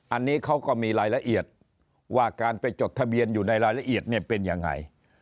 อันนี้เขาก็มีรายละเอียดว่าการไปจดทะเบียนอยู่ในรายละเอียดเนี่ยเป็นยังไง